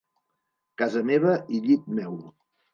Casa meva i llit meu.